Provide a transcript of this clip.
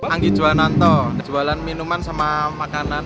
anggi juananto kejualan minuman sama makanan